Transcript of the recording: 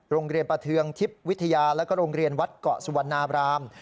โรงเรียนประเทืองทิพย์วิทยาแล้วก็โรงเรียนวัดเกาะสุวรรณาบราม